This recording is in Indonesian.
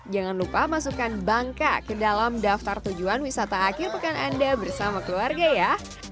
jangan lupa masukkan bangka ke dalam daftar tujuan wisata akhir pekan anda bersama keluarga ya